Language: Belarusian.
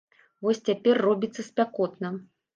Вось цяпер робіцца спякотна.